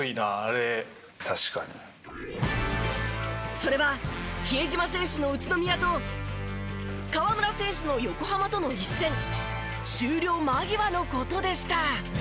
それは比江島選手の宇都宮と河村選手の横浜との一戦終了間際の事でした。